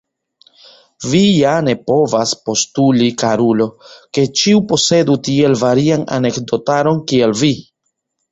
Vi ja ne povas postuli, karulo, ke ĉiu posedu tiel varian anekdotaron kiel vi!